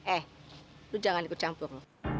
eh itu jangan ikut campur